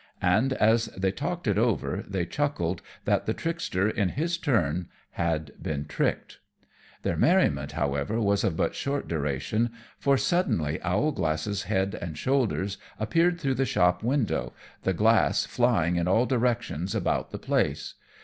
And as they talked it over they chuckled that the trickster, in his turn, had been tricked. Their merriment, however, was of but short duration, for suddenly Owlglass's head and shoulders appeared through the shop window, the glass flying in all directions about the place.